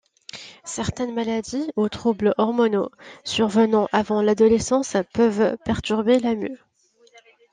Certaines maladies ou troubles hormonaux survenant avant l'adolescence peuvent perturber la mue.